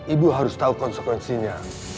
ibu harus tahu konsekuensinya